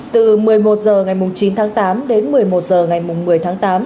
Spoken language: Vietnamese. từ một mươi một h ngày chín tháng tám đến một mươi một h ngày một mươi tháng tám